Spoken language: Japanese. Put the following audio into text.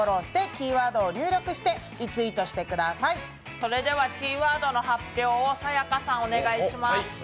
それではキーワードの発表をさや香さんお願いします。